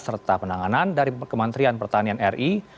serta penanganan dari kementerian pertanian ri